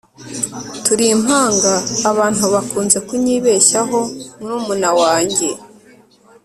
Turi impanga Abantu bakunze kunyibeshya murumuna wanjye